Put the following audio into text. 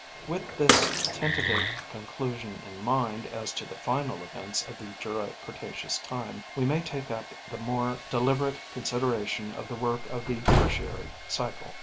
With this tentative conclusion in mind as to the final events of Jura Cretaceous time, we may take up the more deliberate consideration of the work of the Tertiary cycle.